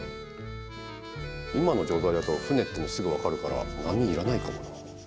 今の状態だと船っていうのすぐ分かるから波いらないかもな。